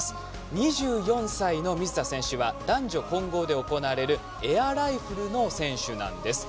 ２４歳の水田選手は男女混合で行われるエアライフルの選手なんです。